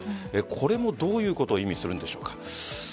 これもどういうことを意味するんでしょうか。